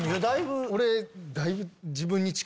俺だいぶ。